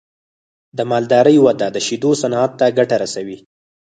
د مالدارۍ وده د شیدو صنعت ته ګټه رسوي.